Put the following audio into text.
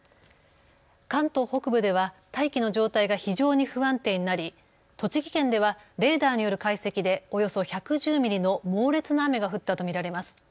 関東北部では大気の状態が非常に不安定になり栃木県ではレーダーによる解析でおよそ１１０ミリの猛烈な雨が降ったと見られます。